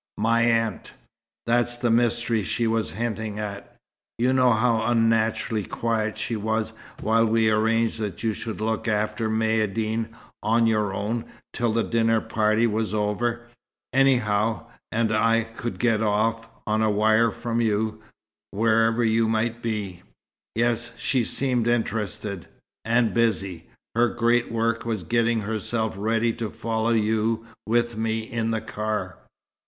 "My aunt. That's the mystery she was hinting at. You know how unnaturally quiet she was while we arranged that you should look after Maïeddine, on your own, till the dinner party was over, anyhow, and I could get off, on a wire from you wherever you might be?" "Yes. She seemed interested." "And busy. Her 'great work' was getting herself ready to follow you with me, in the car."